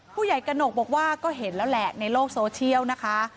กระหนกบอกว่าก็เห็นแล้วแหละในโลกโซเชียลนะคะ